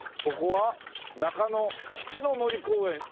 ここは中野四季の森公園。